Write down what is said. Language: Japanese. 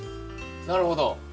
なるほど。